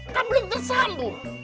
kan belum tersambung